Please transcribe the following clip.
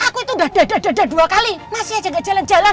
aku itu dadah dadah dua kali masih aja gak jalan jalan